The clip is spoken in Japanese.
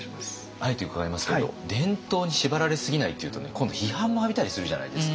あえて伺いますけれど伝統に縛られすぎないっていうとね今度批判も浴びたりするじゃないですか。